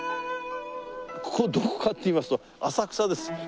ここどこかって言いますと浅草です。